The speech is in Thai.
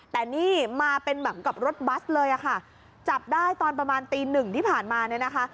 แต่นี่มาเป็นแบบกับรถบัสเลยอะค่ะจับได้ตอนประมาณตีหนึ่งที่ผ่านมาเนี่ยนะคะ